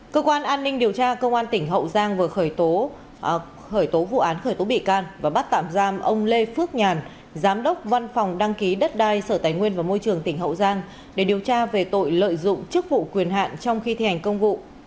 cơ quan an ninh điều tra công an tỉnh hậu giang vừa khởi tố vụ án khởi tố bị can và bắt tạm giam ông lê phước nhàn giám đốc văn phòng đăng ký đất đai sở tài nguyên và môi trường tỉnh hậu giang để điều tra về tội lợi dụng chức vụ quyền hạn trong khi thi hành công vụ